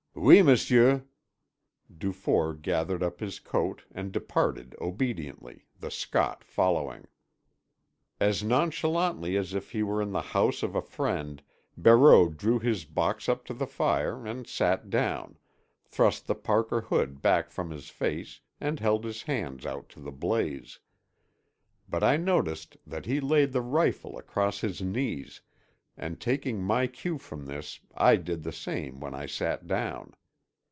"Oui, M'sieu." Dufour gathered up his coat and departed obediently, the Scot following. As nonchalantly as if he were in the house of a friend Barreau drew his box up to the fire and sat down; thrust the parka hood back from his face and held his hands out to the blaze. But I noticed that he laid the rifle across his knees, and taking my cue from this I did the same when I sat down.